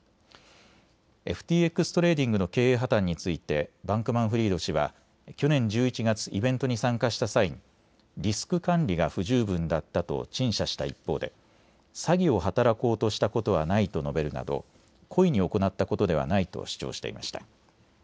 ＦＴＸトレーディングの経営破綻についてバンクマンフリード氏は去年１１月、イベントに参加した際にリスク管理が不十分だったと陳謝した一方で詐欺を働こうとしたことはないと述べるなど故意に行ったことではないと主張していました。